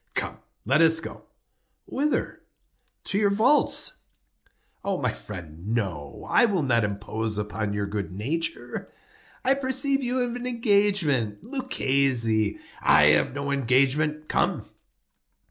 "Come, let us go." "Whither?" "To your vaults." "My friend, no; I will not impose upon your good nature. I perceive you have an engagement. Luchesi—" "I have no engagement;—come."